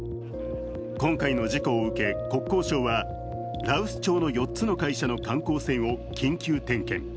今回の事故を受け国交省は、羅臼町の４つの会社の観光船を緊急点検。